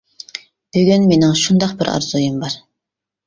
بۈگۈن مېنىڭ شۇنداق بىر ئارزۇيۇم بار.